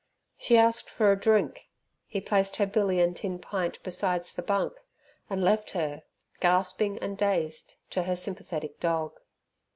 She asked for a drink, he placed her billy and tin pint besides the bunk, and left her, gasping and dazed, to her sympathetic dog.